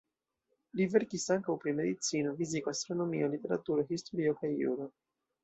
Li verkis ankaŭ pri medicino, fiziko, astronomio, literaturo, historio kaj juro.